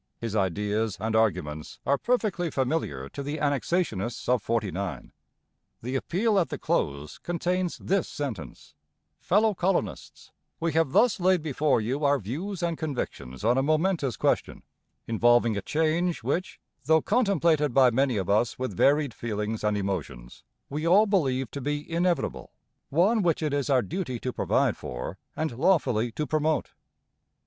His ideas and arguments are perfectly familiar to the Annexationists of '49. The appeal at the close contains this sentence: Fellow Colonists, We have thus laid before you our views and convictions on a momentous question involving a change which, though contemplated by many of us with varied feelings and emotions, we all believe to be inevitable; one which it is our duty to provide for, and lawfully to promote.